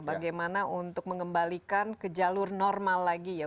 bagaimana untuk mengembalikan ke jalur normal lagi ya